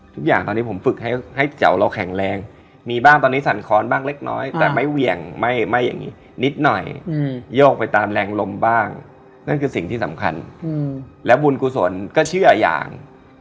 ทุกคนก็นั่งกินกันทีนี้เรากินไว้ไม่ลง